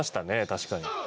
確かに。